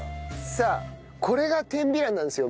さあこれが天美卵なんですよ